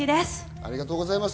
ありがとうございます。